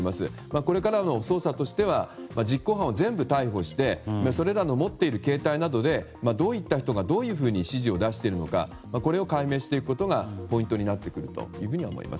これからの捜査としては実行犯を全部逮捕してそれらの持っている携帯などでどういった人が、どういうふうに指示を出しているのかこれを解明していくことがポイントになってくると思います。